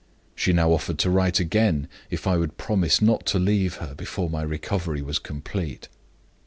She now offered to write again, if I would promise not to leave her before my recovery was complete.